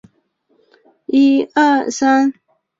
格尔贝尼岛是印度拉克沙群岛中央直辖区的一座岛屿。